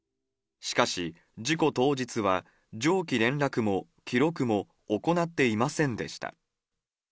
しかし、事故当日は上記連絡も、記録も行っていませんでした。